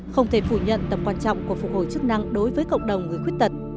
không thể phủ nhận tầm quan trọng của phục hồi chức năng đối với cộng đồng người khuyết tật